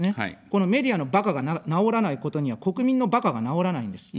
このメディアのばかが直らないことには、国民のばかが直らないんです。